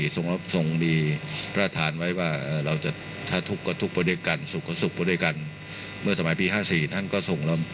ทรงมีลายพระราชกระแสรับสู่ภาคใต้